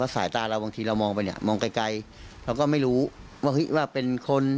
สายตาเราบางทีเรามองไปเนี่ยมองไกลไกลเราก็ไม่รู้ว่าเฮ้ยว่าเป็นคน